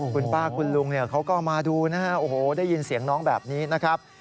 คุณป้าคุณลุงเขาก็มาดูนะฮะโอ้โหได้ยินเสียงน้องแบบนี้นะครับ